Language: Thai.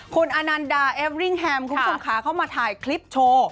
คุณอานัลดาเอเวริงแฮมคุณสมขาเข้ามาถ่ายคลิปโชว์